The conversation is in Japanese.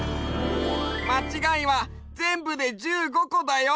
まちがいはぜんぶで１５こだよ！